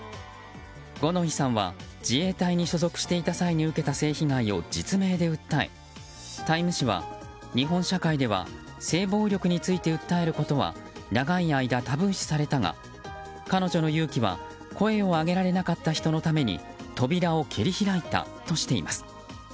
五ノ井さんは自衛隊に所属していた際に受けた性被害を実名で訴え「タイム」誌は日本社会では性暴力について訴えることは長い間、タブー視されたが彼女の勇気は声を上げられなかった人のために扉を蹴り開いたとしています。